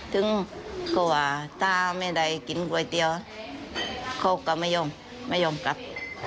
ถึงก็ว่าถ้าไม่ได้กินก๋วยเตี๋ยวเขาก็ไม่ยอมไม่ยอมกลับ